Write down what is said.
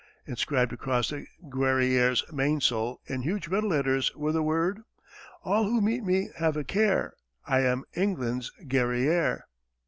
Inscribed across the Guerrière's mainsail in huge red letters were the words: All who meet me have a care, I am England's Guerrière.